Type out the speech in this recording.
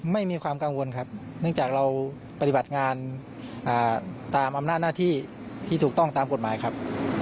ไม่มีความกังวลครับเนื่องจากเราปฏิบัติงานตามอำนาจหน้าที่ที่ถูกต้องตามกฎหมายครับ